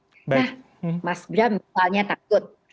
nah mas bram misalnya takut